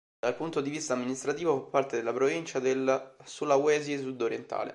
Dal punto di vista amministrativo fa parte della provincia del Sulawesi Sudorientale.